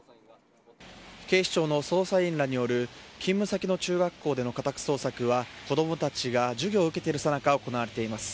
警視庁の捜査員らによる勤務先の中学校での家宅捜索は子供たちが授業を受けているさなか行われています。